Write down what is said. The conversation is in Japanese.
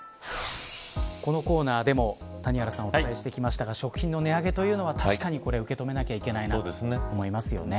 このコーナーでも、谷原さんお伝えしてきましたが食品の値上げというのは、確かに受け止めなきゃいけないなと思いますよね。